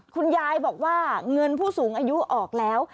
คุณยายบอกว่าเงินผู้สูงอายุออกแล้ว